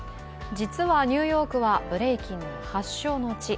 実は、ニューヨークはブレイキン発祥の地。